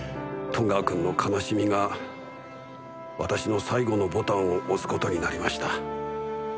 戸川君の悲しみが私の最後のボタンを押す事になりました。